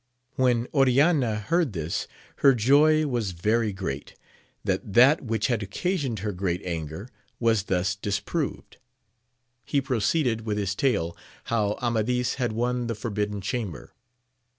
When Oriana heard this, her joy was very great, that that which had occasioned her great anger was thus disproved. He proceeded with his tale, how Amadis had won the forbidden chamber.